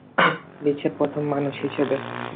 বিশ্বের প্রথম মানুষ হিসেবে।